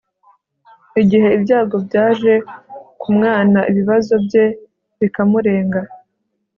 igihe ibyago byaje kumwana, ibibazo bye bikamurenga